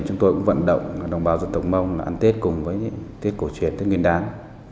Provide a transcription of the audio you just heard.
chúng tôi cũng vận động đồng bào dân tộc mông ăn tết cùng với tết cổ truyền tết nguyên đán